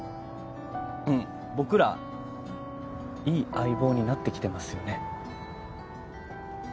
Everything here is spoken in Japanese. んんっ僕らいい相棒になってきてますよね？